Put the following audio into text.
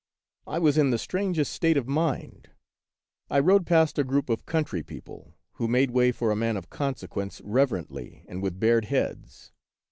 I was in the strangest state of mind. I rode past a group of country people, who made way for a man of consequence rev erently and with bared heads.